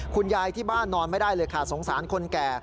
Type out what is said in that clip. คุณยายที่บ้านนอนไม่ได้เลยค่ะสงสารคนแก่